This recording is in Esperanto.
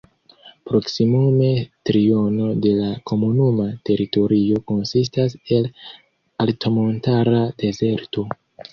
Proksimume triono de la komunuma teritorio konsistas el altmontara dezerto.